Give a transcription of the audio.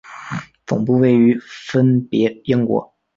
总部位于分别英国。